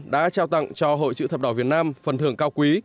đã trao tặng cho hội chữ thập đỏ việt nam phần thưởng cao quý